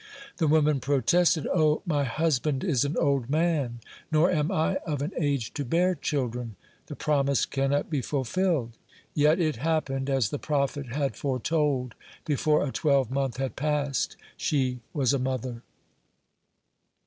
(12) The woman protested: "O, my husband is an old man, nor am I of an age to bear children; the promise cannot be fulfilled." Yet it happened as the prophet had foretold. Before a twelvemonth had passed, she was a mother.